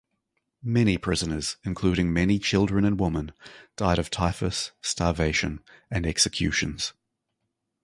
Many prisoners, including many children and women, died of typhus, starvation, and executions.